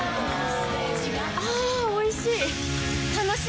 あぁおいしい！